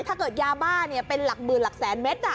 ถ้าเกิดยาบ้าเป็นหลักหมื่นหลักแสนเมตร